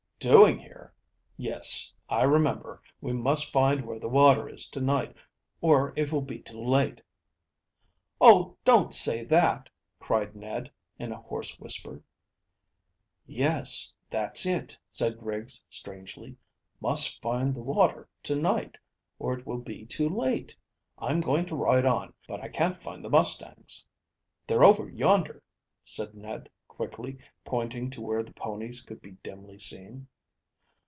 "Doing here? Yes, I remember. We must find where the water is to night, or it will be too late." "Oh, don't say that," cried Ned, in a hoarse whisper. "Yes, that's it," said Griggs strangely. "Must find the water to night, or it will be too late. I'm going to ride on, but I can't find the mustangs." "They're over yonder," said Ned quickly, pointing to where the ponies could be dimly seen.